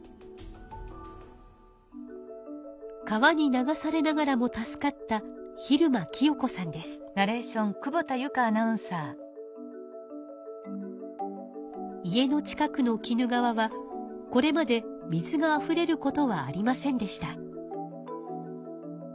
川に流されながらも助かった家の近くの鬼怒川はこれまで水があふれることはありませんでした。